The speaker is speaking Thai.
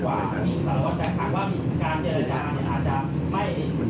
ก็ว่าฝั่งของน่าจะมีการเตรียมมามากกว่าคือ